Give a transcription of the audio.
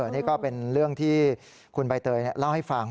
นี่ก็เป็นเรื่องที่คุณใบเตยเล่าให้ฟัง